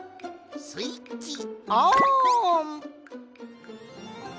スイッチオン！